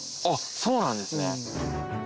そうなんですね。